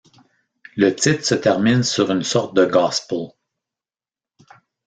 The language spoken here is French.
Le titre se termine sur une sorte de gospel.